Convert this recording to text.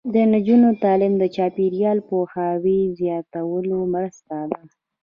د نجونو تعلیم د چاپیریال پوهاوي زیاتولو مرسته ده.